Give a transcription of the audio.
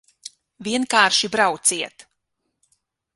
Vienkārši brauciet!